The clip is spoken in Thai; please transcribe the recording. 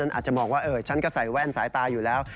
อาจจะมองว่าฉันก็ใส่แว่นสายตาอยู่แล้ว